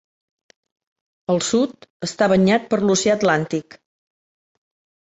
Al sud està banyat per l'oceà Atlàntic.